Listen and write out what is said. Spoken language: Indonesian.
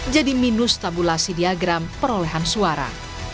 jadi minus tabulasi diagram perolehan suara